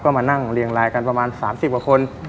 ก็มานั่งเรียงลายกันประมาณ๓๐กว่าคน